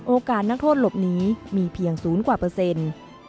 โอกาสนักโทษหลบหนีมีเพียง๐กว่าเปอร์เซ็นต์